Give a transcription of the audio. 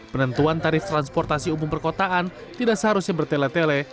penentuan tarif transportasi umum perkotaan tidak seharusnya bertele tele